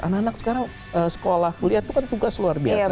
anak anak sekarang sekolah kuliah itu kan tugas luar biasa